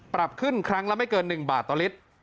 ปรับขึ้นครั้งละไม่เกิน๑บาทต่อลิตร